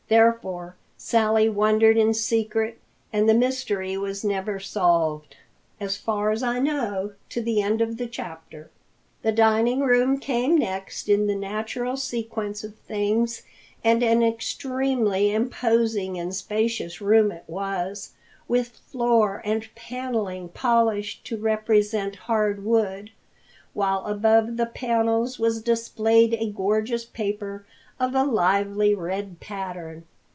Therefore Sally wondered in secret, and the mystery was never solved, as far as I know, to the end of the chapter. The dining room came next in the natural sequence of things, and an extremely imposing and spacious room it was, with floor and paneling polished to represent hard wood, while above the panels was displayed a gorgeous paper of a lively red pattern.